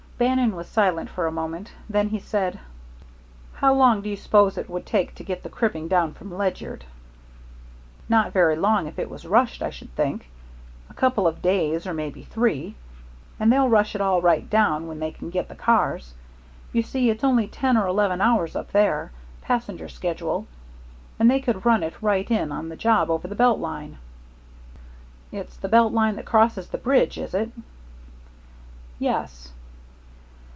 Bannon was silent for a moment, then he said: "How long do you suppose it would take to get the cribbing down from Ledyard?" "Not very long if it was rushed, I should think a couple of days, or maybe three. And they'll rush it all right when they can get the cars. You see, it's only ten or eleven hours up there, passenger schedule; and they could run it right in on the job over the Belt Line." "It's the Belt Line that crosses the bridge, is it?" "Yes."